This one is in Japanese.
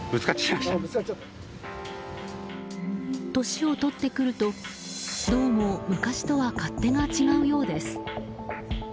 年を取ってくるとどうも昔とは勝手が違うようです。